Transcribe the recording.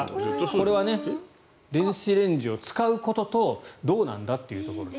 これは電子レンジを使うこととどうなんだというところ。